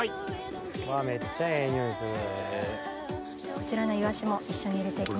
こちらのイワシも一緒に入れて行きます。